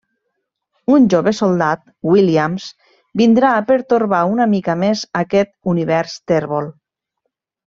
Un jove soldat, Williams, vindrà a pertorbar una mica més aquest univers tèrbol.